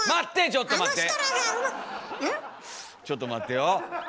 ちょっと待ってよ。